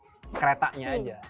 cuma belum dapat keretanya aja